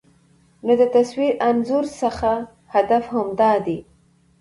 نو د تصوير انځور څخه هدف همدا دى